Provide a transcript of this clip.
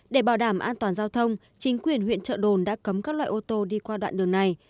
để bảo đảm an toàn giao thông chính quyền huyện trợ đồn đã cấm các loại ô tô đi qua đoạn đường này